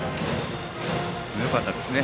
よかったですね。